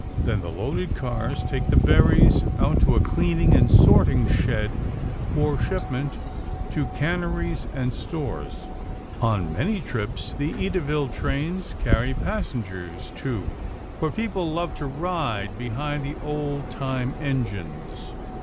Then the loaded cars take the berries out to a cleaning and sorting shed for shipment to canneries and stores. On many trips the Edaville trains carry passengers, too, for people love to ride behind the old time engines.